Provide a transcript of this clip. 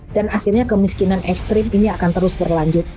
dan akhirnya kemiskinan ekstrim ini akan terus berlanjut